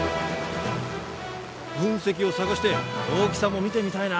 噴石を探して大きさも見てみたいな。